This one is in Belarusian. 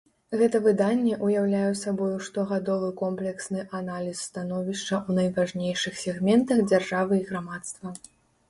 Гэта выданне ўяўляе сабою штогадовы комплексны аналіз становішча ў найважнейшых сегментах дзяржавы і грамадства.